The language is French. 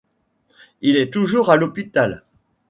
Il est toujours à l'hôpital.